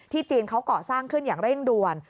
จีนเขาก่อสร้างขึ้นอย่างเร่งด่วน